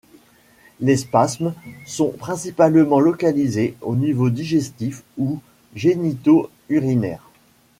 Les spasmes sont principalement localisés au niveau digestif ou génito urinaire.